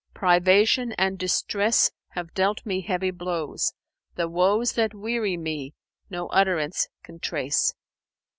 Privation and distress have dealt me heavy blows; * The woes that weary me no utterance can trace.